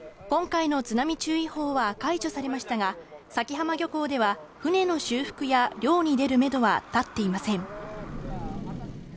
今回の津波注意報は解除されましたが、佐喜浜漁港では、船の修復や漁に出るメドは立っていません。